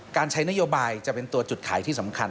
การใช้นโยบายจะเป็นตัวจุดขายที่สำคัญ